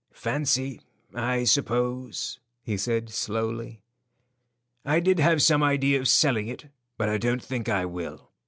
"Fancy, I suppose," he said, slowly. "I did have some idea of selling it, but I don't think I will.